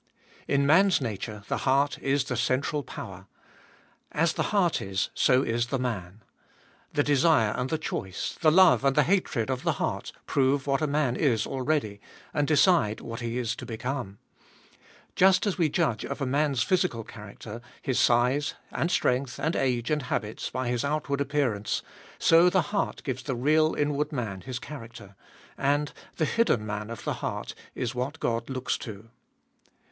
In man's nature the heart is the central power. As the heart is so is the man. The desire and the choice, the love and the hatred of the heart prove what a man is already, and decide what he is to become. Just as we judge of a man's physical character, his size and strength and age and habits, by his out ward appearance, so the heart gives the real inward man his character ; and " the hidden man of the heart " is what God looks to.